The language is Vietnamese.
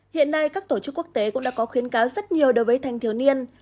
hiện nay các tổ chức quốc tế cũng đã có khuyến cáo rất nhiều đối với thanh thiếu niên